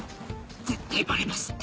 絶対バレますって。